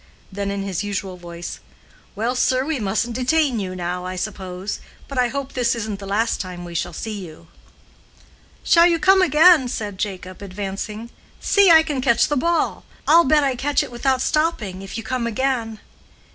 Then in his usual voice, "Well, sir, we mustn't detain you now, I suppose; but I hope this isn't the last time we shall see you." "Shall you come again?" said Jacob, advancing. "See, I can catch the ball; I'll bet I catch it without stopping, if you come again."